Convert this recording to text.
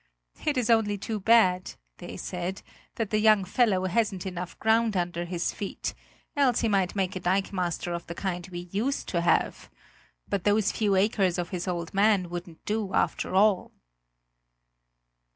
"It's only too bad," they said, "that the young fellow hasn't enough ground under his feet; else he might make a dikemaster of the kind we used to have but those few acres of his old man wouldn't do, after all!"